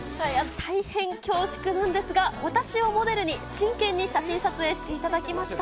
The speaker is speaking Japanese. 大変恐縮なんですが、私をモデルに、真剣に写真撮影していただきました。